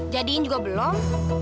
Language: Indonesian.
jadiin juga belum